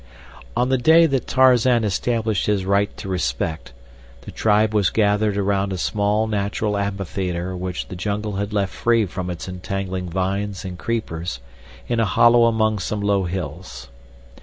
On the day that Tarzan established his right to respect, the tribe was gathered about a small natural amphitheater which the jungle had left free from its entangling vines and creepers in a hollow among some low hills.